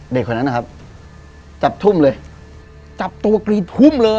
เด็กคนนั้นนะครับจับทุ่มเลยจับตัวกรีดพุ่มเลย